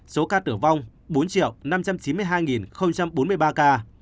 số ca tử vong bốn năm trăm chín mươi hai bốn mươi ba ca